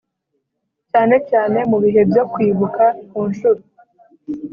cyane cyane mu bihe byo kwibuka ku nshuro